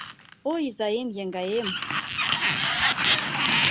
Ой, изаем-еҥгаем